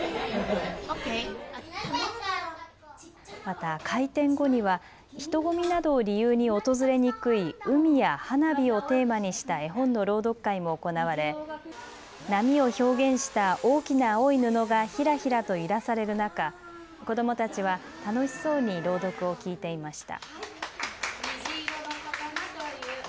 また開店後には人混みなどを理由に訪れにくい海や花火をテーマにした絵本の朗読会も行われ波を表現した大きな青い布がひらひらと揺らされる中、子どもたちは楽しそうに朗読を聴いていました。